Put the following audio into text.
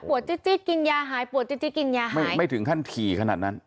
จิ๊ดกินยาหายปวดจิ๊ดกินยาไม่ไม่ถึงขั้นถี่ขนาดนั้น